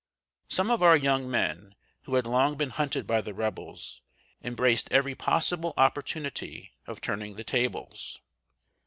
"] Some of our young men, who had long been hunted by the Rebels, embraced every possible opportunity of turning the tables.